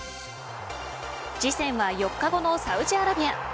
次戦は４日後のサウジアラビア。